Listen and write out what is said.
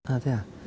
à thế à